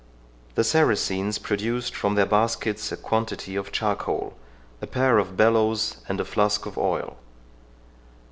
The Saracens produced from their baskets a quantity of charcoal, a pair of bellows, and a flask of oil.